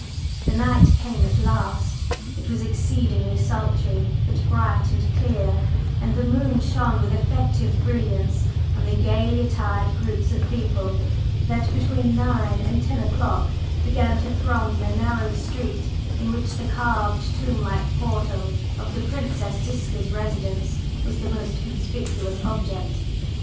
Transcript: The night came at last. It was exceedingly sultry, but bright and clear, and the moon shone with effective brilliance on the gayly attired groups of people that between nine and ten o'clock began to throng the narrow street in which the carved tomb like portal of the Princess Ziska's residence was the most conspicuous object.